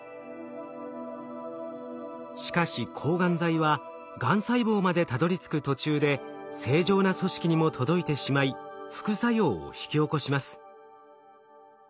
しかし抗がん剤はがん細胞までたどりつく途中で正常な組織にも届いてしまい副作用を引き起こします。